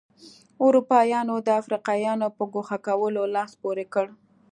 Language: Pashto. اروپایانو د افریقایانو په ګوښه کولو لاس پورې کړ.